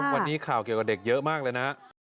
วันนี้ข่าวเกี่ยวกับเด็กเยอะมากเลยนะ